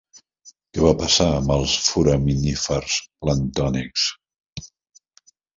Què va passar amb els foraminífers planctònics?